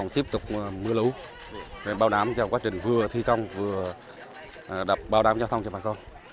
tiếp tục mưa lũ bảo đảm trong quá trình vừa thi công vừa bảo đảm giao thông cho bà con